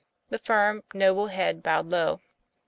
The firm, noble head bowed low.